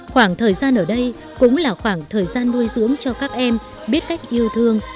khoảng thời gian ở đây cũng là khoảng thời gian nuôi dưỡng cho các em biết cách yêu thương